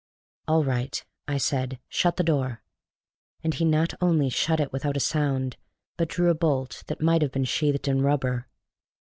"All right," I said. "Shut the door." And he not only shut it without a sound, but drew a bolt that might have been sheathed in rubber.